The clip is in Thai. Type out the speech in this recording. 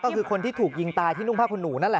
ก็คือคนที่ถูกยิงตายที่นุ่งผ้าขนหนูนั่นแหละ